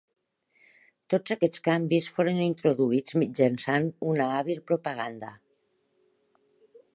Tots aquests canvis foren introduïts mitjançant una hàbil propaganda.